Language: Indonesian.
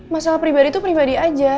mas al pribadi tuh pribadi aja